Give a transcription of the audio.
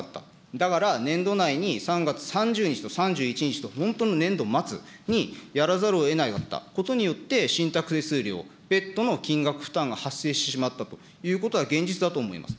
だから年度内に３月３０日と３１日と本当の年度末にやらざるをえなかったことによって、信託手数料、別途の金額負担が発生してしまったということが現実だと思います。